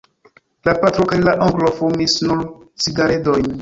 La patro kaj la onklo fumis nur cigaredojn.